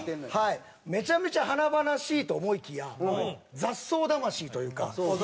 めちゃめちゃ華々しいと思いきや雑草魂というか。